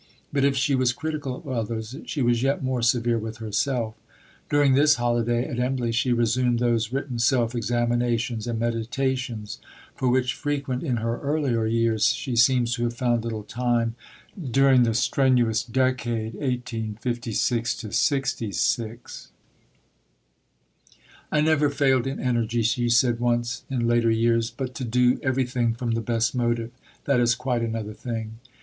But if she was critical of others, she was yet more severe with herself. During this holiday at Embley, she resumed those written self examinations and meditations for which, frequent in her earlier years, she seems to have found little time during the strenuous decade 1856 66. "I never failed in energy," she said once in later years; "but to do everything from the best motive that is quite another thing."